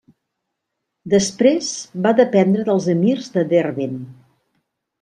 Després va dependre dels emirs de Derbent.